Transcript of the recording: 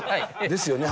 ですよね。